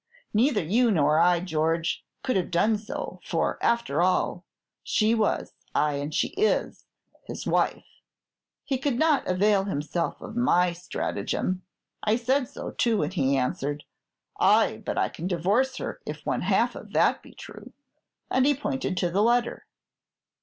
Neither you nor I, George, could have done so; for, after all, she was, ay, and she is, his wife. He could not avail himself of my stratagem. I said so too, and he answered, "Ay, but I can divorce her if one half of that be true;" and he pointed to the letter.